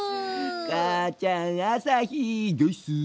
母ちゃんあさひ御意っす！